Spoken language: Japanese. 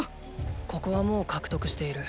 ここはもう獲得している。